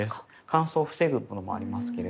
乾燥を防ぐのもありますけれど。